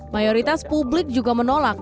mayoritas publik juga menolak